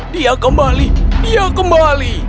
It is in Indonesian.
dia kembali dia kembali